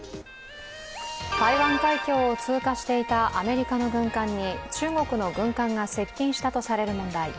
台湾海峡を通過していたアメリカの軍艦に中国の軍艦が接近したとされる問題。